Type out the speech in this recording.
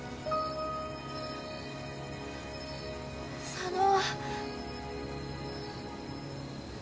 佐野。